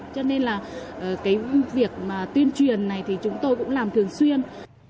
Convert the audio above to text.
cho nên là cái việc mà tuyên truyền này thì chúng tôi cũng làm thường xuyên